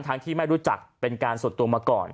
ที่ไม่รู้จักเป็นการส่วนตัวมาก่อน